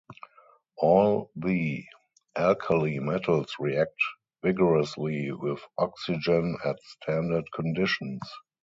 All the alkali metals react vigorously with oxygen at standard conditions.